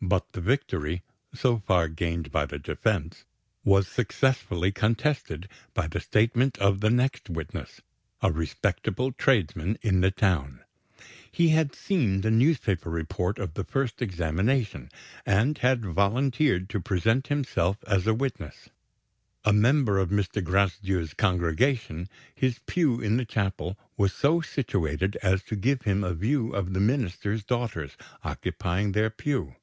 But the victory, so far gained by the defense, was successfully contested by the statement of the next witness, a respectable tradesman in the town. He had seen the newspaper report of the first examination, and had volunteered to present himself as a witness. A member of Mr. Gracedieu's congregation, his pew in the chapel was so situated as to give him a view of the minister's daughters occupying their pew.